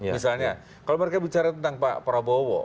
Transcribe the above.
misalnya kalau mereka bicara tentang pak prabowo